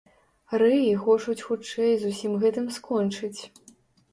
Рэі хочуць хутчэй з усім гэтым скончыць.